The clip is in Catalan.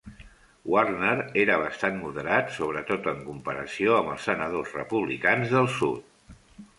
Warner era bastant moderat, sobretot en comparació amb els senadors republicans del sud.